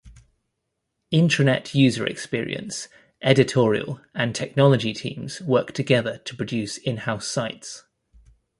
Intranet user-experience, editorial, and technology teams work together to produce in-house sites.